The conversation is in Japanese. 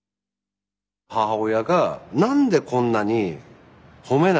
母親が何でこんなに褒めないのかなって。